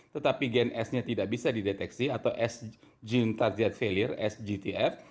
tetapi gen s nya tidak bisa dideteksi atau s genome target failure s gtf